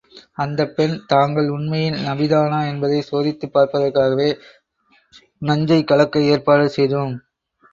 அந்தப் பெண், தாங்கள் உண்மையில் நபிதானா என்பதைச் சோதித்துப் பார்ப்பதற்காகவே, நஞ்சைக் கலக்க ஏற்பாடு செய்தோம்.